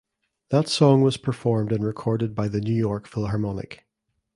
That song was performed and recorded by the New York Philharmonic.